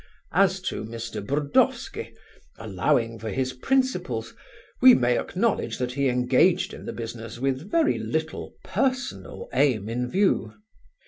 As to Mr. Burdovsky, allowing for his principles, we may acknowledge that he engaged in the business with very little personal aim in view.